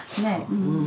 うん。